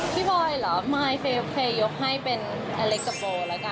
พี่บอยเหรอไม้เฟ๊ยกดจะยกให้เป็นอเล็กกับโบแล้วกัน